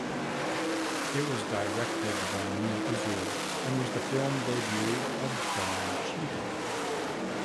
It was directed by Neal Israel and was the film debut of Don Cheadle.